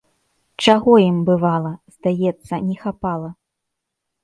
Чаго ім, бывала, здаецца, не хапала?